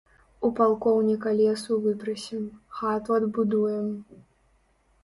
У палкоўніка лесу выпрасім, хату адбудуем.